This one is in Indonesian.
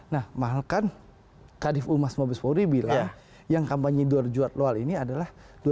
nah mahalkan kadif umas mabespori bilang yang kampanye di luar jadwal ini adalah